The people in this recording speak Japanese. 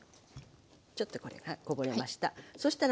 ちょっとこれがこぼれました。